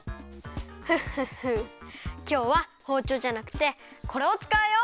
フッフッフきょうはほうちょうじゃなくてこれをつかうよ！